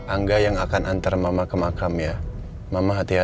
angga yang akan antar mama ke makam ya mama hati hati ya